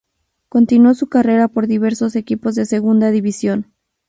Continuó su carrera por diversos equipos de Segunda División.